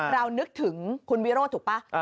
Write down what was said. นึกถึงคุณวิโรธถูกป่ะ